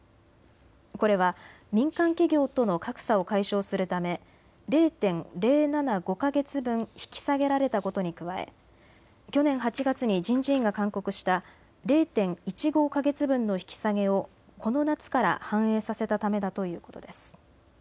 これは民間企業との格差を解消するため０．０７５か月分引き下げられたことに加え去年８月に人事院が勧告した０．１５か月分の引き下げをこの夏から反映させたためだということです。